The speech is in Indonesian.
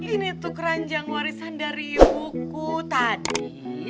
ini tuh keranjang warisan dari buku tadi